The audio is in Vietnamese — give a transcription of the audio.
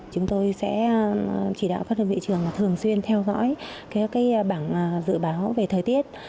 chúng tôi sẽ chỉ đạo các đơn vị trường thường xuyên theo dõi bảng dự báo về thời tiết